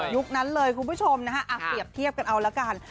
ยุคนั้นเลยคุณผู้ชมนะฮะอ่ะเสียบเทียบกันเอาแล้วกัน